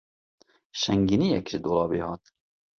Şingîniyek ji dolabê hat.